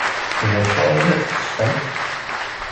D acu ay la tettessemt?